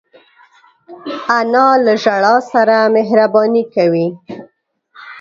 انا له ژړا سره مهربانې کوي